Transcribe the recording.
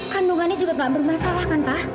kandungannya juga telah bermasalah kan pa